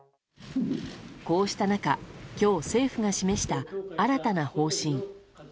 こうした中、今日政府が示した、新たな方針。